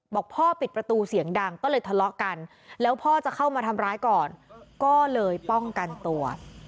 บอกพ่อปิดประตูเสียงดังก็เลยทะเลาะกันแล้วพ่อจะเข้ามาทำร้ายก่อนก็เลยป้องกันตัว